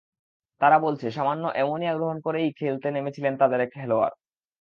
তারা বলছে, সামান্য অ্যামোনিয়া গ্রহণ করেই খেলতে নেমেছিলেন তাদের এক খেলোয়াড়।